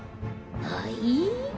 はい？